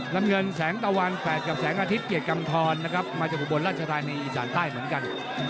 น้ำเงินแสงตะวันแฝดกับแสงอาทิตยเกียรติกำทรนะครับมาจากอุบลราชธานีอีสานใต้เหมือนกัน